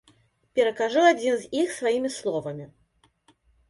Перакажу адзін з іх сваімі словамі.